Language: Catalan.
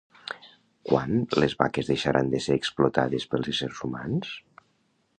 Quan les vaques deixaran de ser explotades pels éssers humans?